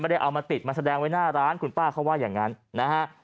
ได้เอามาติดมาแสดงไว้หน้าร้านคุณป้าเขาว่าอย่างนั้นนะฮะ